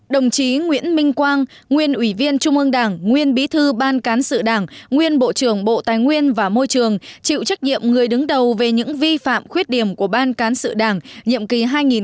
đồng chí nguyễn minh quang nguyên ủy viên trung ương đảng nguyên bí thư ban cán sự đảng nguyên bộ trưởng bộ tài nguyên và môi trường chịu trách nhiệm người đứng đầu về những vi phạm khuyết điểm của ban cán sự đảng nhiệm kỳ hai nghìn một mươi một hai nghìn một mươi một